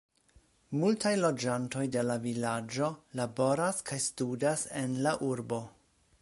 Multaj loĝantoj de la vilaĝo laboras kaj studas en la urbo.